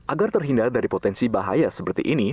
agar terhindar dari potensi bahaya seperti ini